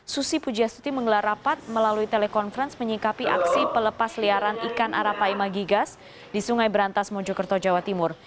susi pujiasuti mengelar rapat melalui telekonferensi menyikapi aksi pelepasliaran ikan arapaima gigas di sungai berantas mojokerto jawa timur